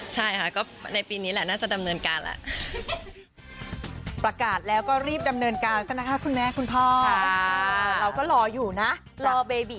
ใช่ค่ะก็ในปีนี้แหละน่าจะดำเนินการแล้ว